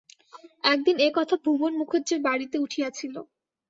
একদিন এ কথা ভুবন মুখুজ্যের বাড়িতে উঠিয়াছিল।